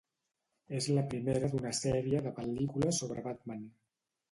És la primera d'una sèrie de pel·lícules sobre Batman.